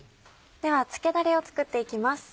では漬けだれを作っていきます。